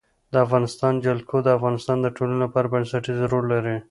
د افغانستان جلکو د افغانستان د ټولنې لپاره بنسټيز رول لري.